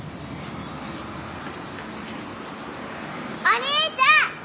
お兄ちゃん！